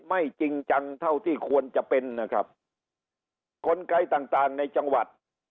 จริงจังเท่าที่ควรจะเป็นนะครับกลไกต่างต่างในจังหวัด